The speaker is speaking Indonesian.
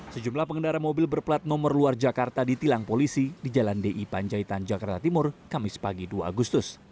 sejumlah pengendara mobil berplat nomor luar jakarta ditilang polisi di jalan di panjaitan jakarta timur kamis pagi dua agustus